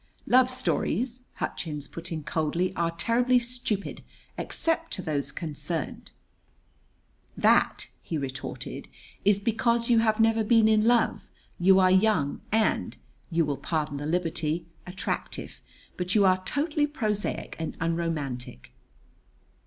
"Love stories," Hutchins put in coldly, "are terribly stupid, except to those concerned." "That," he retorted, "is because you have never been in love. You are young and you will pardon the liberty? attractive; but you are totally prosaic and unromantic."